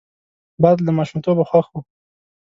باد له ماشومتوبه خوښ وو